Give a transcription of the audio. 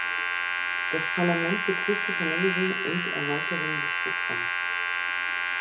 Das Parlament begrüßt die Verlängerung und Erweiterung des Programms.